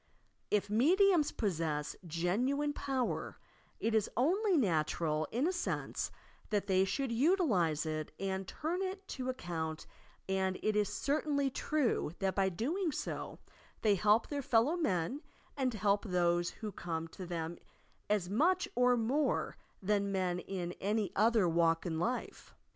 If mediums possess genuine power, it is only natural, in a sense, that they should utilize it and turn it to account, and it is certainly true that by doing so they help their fellow men and help those who come to them as much or more than men in any other walk in life.